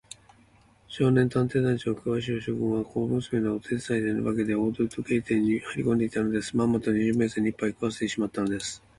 少年探偵団長小林芳雄君は、小娘のお手伝いさんに化けて、大鳥時計店にはいりこんでいたのです。まんまと二十面相にいっぱい食わせてしまったのです。